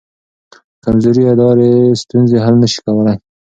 کمزوري ادارې ستونزې حل نه شي کولی.